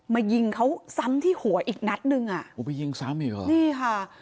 มายิงเขาซ้ำที่หัวอีกนัดหนึ่งอ่ะไปยิงซ้ำอีกเหรอ